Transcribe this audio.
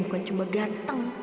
bukan cuma ganteng